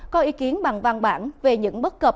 có ý kiến bằng văn bản về những bất cập